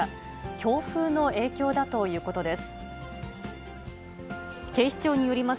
強風の影響だということです。